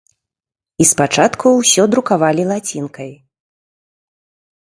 І спачатку ўсё друкавалі лацінкай.